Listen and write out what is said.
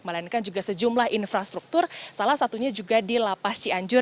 melainkan juga sejumlah infrastruktur salah satunya juga di lapas cianjur